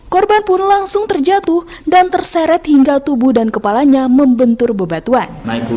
korban pun langsung terjatuh dan terseret hingga tubuh dan kepalanya membentur bebatuan